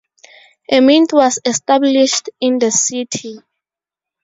A mint was established in the city.